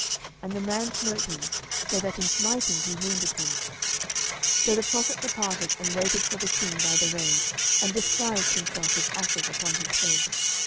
And the man smote him, so that in smiting he wounded him. 11:020:038 So the prophet departed, and waited for the king by the way, and disguised himself with ashes upon his face.